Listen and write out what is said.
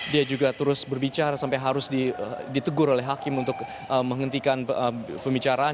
dia juga terus berbicara sampai harus ditegur oleh hakim untuk menghentikan pembicaraan